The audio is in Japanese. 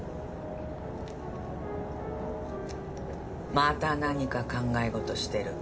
また何か考え事してる。